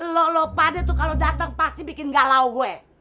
lo lo pade tuh kalau datang pasti bikin galau